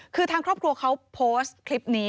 คือทางครอบครัวเขาโพสต์คลิปนี้